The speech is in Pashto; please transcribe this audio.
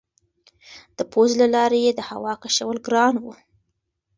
د پوزې له لارې یې د هوا کشول ګران وو.